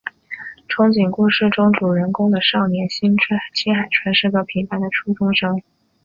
憧憬故事中主人公的少年新海春是个平凡的初中生。